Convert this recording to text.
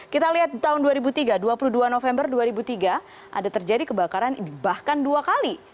kita lihat tahun dua ribu tiga dua puluh dua november dua ribu tiga ada terjadi kebakaran bahkan dua kali